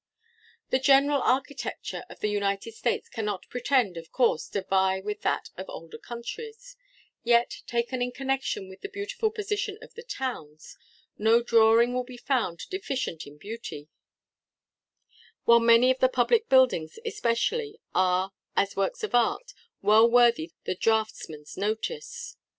The general architecture of the United States cannot pretend, of course, to vie with that of older countries; yet, taken in connexion with the beautiful position of the towns, no drawing will be found deficient in beauty, while many of the public buildings especially are, as works of art, well worthy the draughtman's notice.